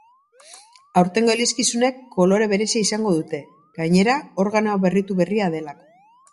Aurtengo elizkizunek kolore berezia izango dute, gainera, organoa berritu berria delako.